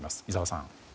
井澤さん。